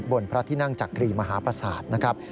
พระที่นั่งจักรีมหาประสาทนะครับ